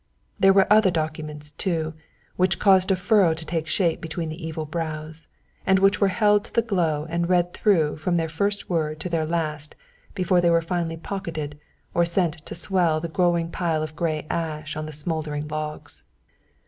There were other documents, too, which caused a furrow to take shape between the evil brows, and which were held to the glow and read through from their first word to their last before they were finally pocketed or sent to swell the growing pile of grey ash on the smouldering logs.